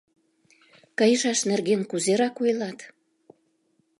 Кайышаш нерген кузеракойлат?